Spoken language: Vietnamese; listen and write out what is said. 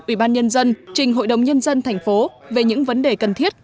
ủy ban nhân dân trình hội đồng nhân dân thành phố về những vấn đề cần thiết